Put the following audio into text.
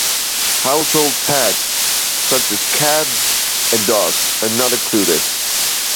Household pets such as cats and dogs are not included.